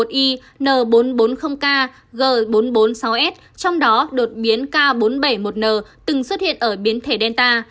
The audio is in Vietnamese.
trong đó đột biến k bốn trăm bảy mươi một n từng xuất hiện ở biến thể delta